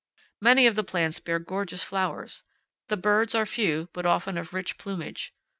Many of the plants bear gorgeous flowers. The birds are few, but often of rich plumage.